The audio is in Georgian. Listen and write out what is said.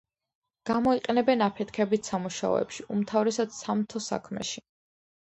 გამოიყენებენ აფეთქებით სამუშაოებში, უმთავრესად სამთო საქმეში.